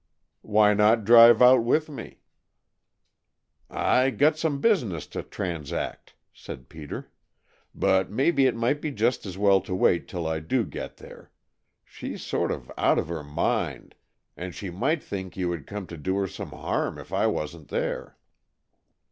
"Why not drive out with me?" "I got some business to transact," said Peter. "But mebby it might be just as well to wait till I do get there. She's sort of out of her mind, and she might think you had come to do her some harm if I wasn't there."